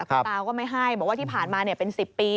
คุณตาก็ไม่ให้บอกว่าที่ผ่านมาเป็น๑๐ปี